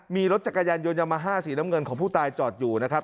มีรถจักรยานยนต์ยามาฮ่าสีน้ำเงินของผู้ตายจอดอยู่นะครับ